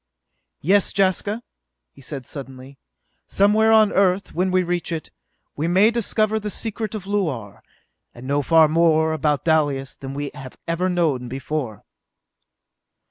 "Yes, Jaska," he said suddenly, "somewhere on Earth, when we reach it, we may discover the secret of Luar and know far more about Dalis than we have ever known before!"